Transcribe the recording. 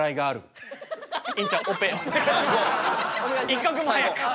一刻も早く。